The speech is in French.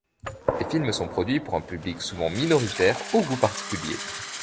Les films sont produits pour un public souvent minoritaire aux goûts particuliers.